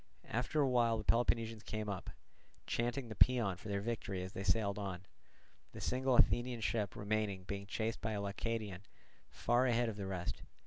After a while the Peloponnesians came up, chanting the paean for their victory as they sailed on; the single Athenian ship remaining being chased by a Leucadian far ahead of the rest.